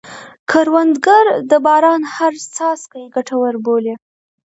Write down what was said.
کروندګر د باران هره څاڅکه ګټوره بولي